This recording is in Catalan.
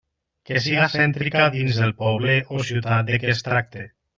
Que siga cèntrica dins del poble o ciutat de què es tracte.